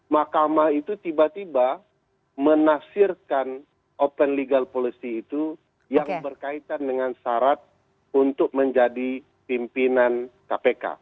makamah itu tiba tiba menafsirkan open legal policy itu yang berkaitan dengan syarat untuk menjadi pimpinan kpk